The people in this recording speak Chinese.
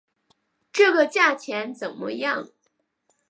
这个价钱怎么样？